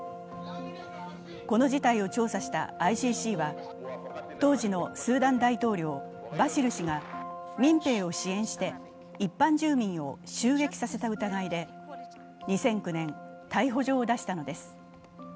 この事態を調査したＩＣＣは当時のスーダン大統領バシル氏が民兵を支援して一般住民を襲撃させた疑いで２００９年、逮捕状を出したのです。